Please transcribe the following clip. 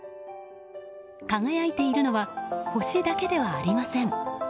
輝いているのは星だけではありません。